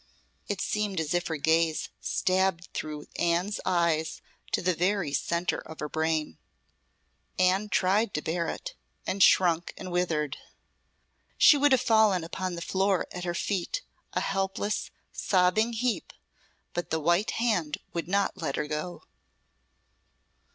It seemed as if her gaze stabbed through Anne's eyes to the very centre of her brain. Anne tried to bear it, and shrunk and withered; she would have fallen upon the floor at her feet a helpless, sobbing heap, but the white hand would not let her go.